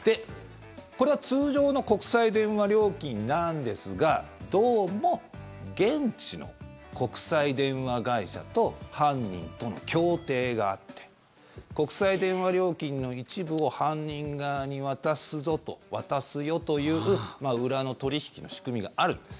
これは通常の国際電話料金なんですがどうも現地の国際電話会社と犯人との協定があって国際電話料金の一部を犯人側に渡すよという裏の取引の仕組みがあるんです。